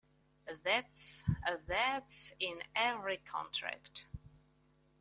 That's, that's in every contract.